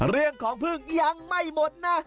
เรื่องของพึ่งยังไม่หมดนะ